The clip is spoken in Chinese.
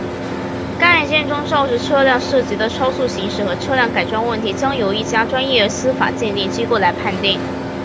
该案中肇事车辆涉及的超速行驶和车辆改装问题将由一家专业司法鉴定机构来判定。